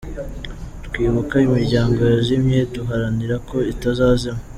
Twibuka Imiryango Yazimye duharanira ko itazazima.